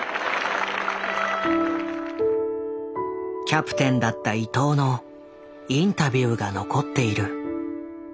キャプテンだった伊藤のインタビューが残っている。